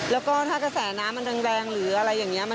แล้วก็ถ้ากระแสน้ำมันแรงหรืออะไรอย่างนี้